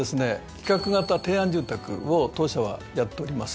企画型提案住宅を当社はやっております。